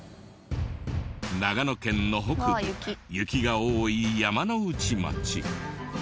長野県の北部雪が多い山ノ内町。